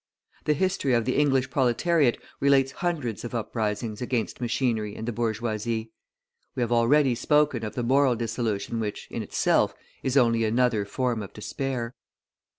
The history of the English proletariat relates hundreds of uprisings against machinery and the bourgeoisie; we have already spoken of the moral dissolution which, in itself, is only another form of despair.